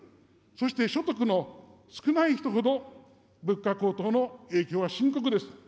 そして、所得の少ない人ほど物価高騰の影響は深刻です。